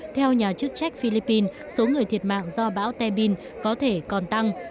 theo nhà chức trách philippines số người thiệt mạng do bão tem bin có thể còn tăng